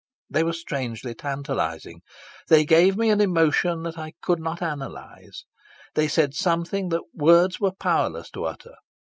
They were strangely tantalising. They gave me an emotion that I could not analyse. They said something that words were powerless to utter.